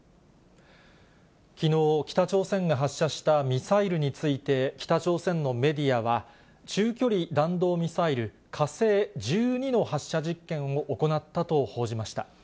きのう、北朝鮮が発射したミサイルについて、北朝鮮のメディアは、中距離弾道ミサイル、火星１２の発射実験を行ったと報じました。